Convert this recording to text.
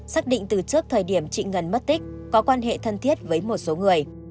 xác định từ trước thời điểm chị ngân mất tích có quan hệ thân thiết với một số người